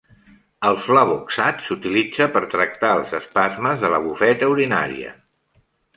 El flavoxat s'utilitza per tractar els espasmes de la bufeta urinària.